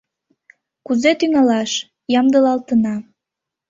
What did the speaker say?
Кузе тӱҥалаш, ямдылалтына.